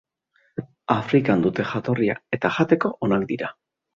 Afrikan dute jatorria eta jateko onak dira.